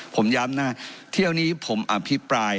ผมย้ำนะเที่ยวนี้ผมอภิปราย